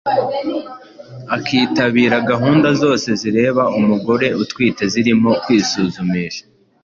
akitabira gahunda zose zireba umugore utwite zirimo kwisuzumisha